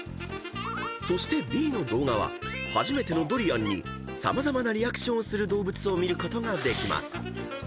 ［そしてＢの動画は初めてのドリアンに様々なリアクションをする動物を見ることができます］